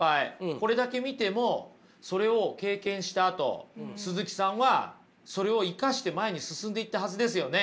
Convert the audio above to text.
これだけ見てもそれを経験したあと鈴木さんはそれを生かして前に進んでいったはずですよね。